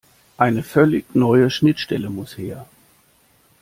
Eine völlig neue Schnittstelle muss her.